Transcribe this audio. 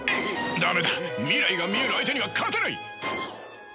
駄目だ未来が見える相手には勝てない！